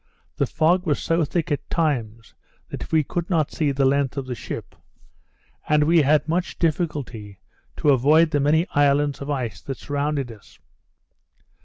The fog was so thick at times, that we could not see the length of the ship; and we had much difficulty to avoid the many islands of ice that surrounded us.